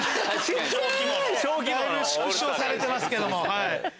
だいぶ縮小されてますけども。